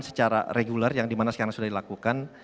secara reguler yang dimana sekarang sudah dilakukan